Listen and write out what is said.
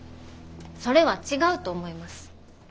それは違うと思います。